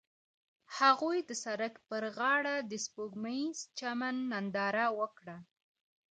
هغوی د سړک پر غاړه د سپوږمیز چمن ننداره وکړه.